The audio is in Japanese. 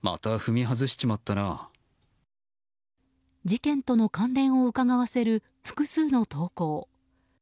事件との関連をうかがわせる複数の投稿。